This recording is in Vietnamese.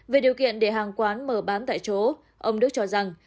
về điều kiện để hàng quán mở bán tại chỗ ông đức cho rằng